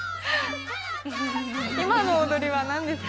今の踊りはなんですか。